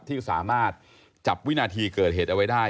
ที่สามารถจับวินาทีเกิดเหตุเอาไว้ได้